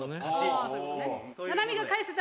「ああそういう事ね」